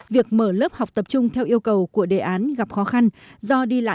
việc mở lớp học tập trung theo yêu cầu của đề án dường như là khó thực thi tại một số địa phương